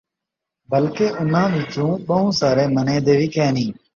بلکہ اُنھاں وِچوں ٻَہوں سارے منیندے وِی کائے نھیں ۔